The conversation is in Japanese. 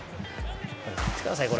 見てください、これ。